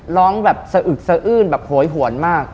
ร้องแบบสะอึกสะอื้นแบบโหยหวนมาก